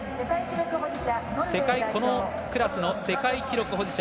このクラスの世界記録保持者